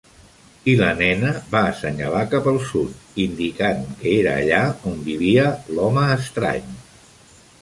I la nena va assenyalar cap al sud, indicant que era allà on vivia l'home estrany.